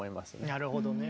なるほどね。